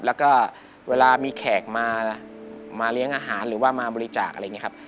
แล้วก็เวลามีแขกมาเลี้ยงอาหารหรือว่ามาบริจาคอะไรอย่างนี้ครับ